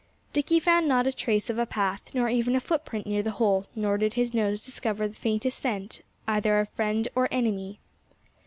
Dickie found not a trace of a path nor even a foot print near the hole nor did his nose discover the faintest scent either of friend or enemy.